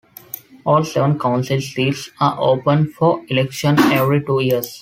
All seven council seats are open for election every two years.